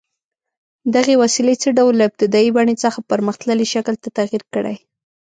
دغې وسیلې څه ډول له ابتدايي بڼې څخه پرمختللي شکل ته تغییر کړی؟